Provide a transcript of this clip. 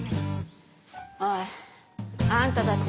おいあんたたち。